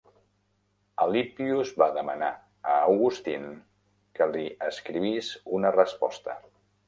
Alypius va demanar a Augustine que li escrivís una resposta.